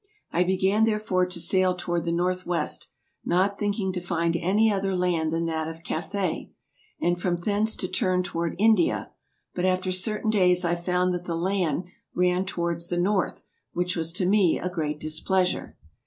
I began therefore to saile toward the Northwest, not think ing to finde any other land than that of Cathay, & from thence to turne toward India, but after certaine dayes I found that the land ranne towards the North, which was to mee a great displeasure.